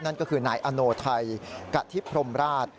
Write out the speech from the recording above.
นั่นก็คือนายอโนไทยกะทิพรมราช